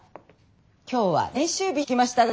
今日は練習日と聞きましたが？